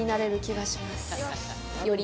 より？